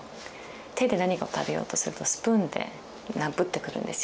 手で何かを食べようとするとスプーンでぶってくるんですよ